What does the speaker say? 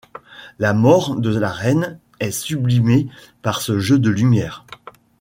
La mort de la Reine est sublimée par ce jeu de lumière.